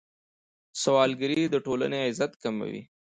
سوالګري د ټولنې عزت کموي.